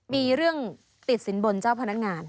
มีเรื่องติดสินบนเจ้าพนักงาน